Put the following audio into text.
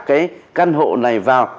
cái căn hộ này vào